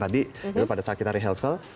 tadi itu pada saat kita rehearsal